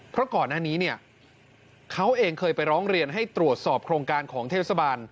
เพราะก่อนหน้านี้เนี่ยเขาเองเคยไปร้องเรียนให้ตรวจสอบโครงการของเทศบาล